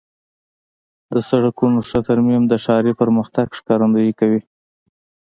د سړکونو ښه ترمیم د ښاري پرمختګ ښکارندویي کوي.